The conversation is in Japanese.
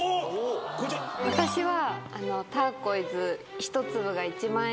私は。